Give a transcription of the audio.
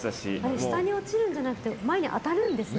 下に落ちるんじゃなくて前に当たるんですね。